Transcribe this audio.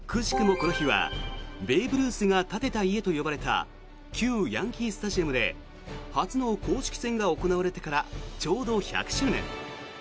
この日はベーブ・ルースが建てた家と呼ばれた旧ヤンキー・スタジアムで初の公式戦が行われてからちょうど１００周年。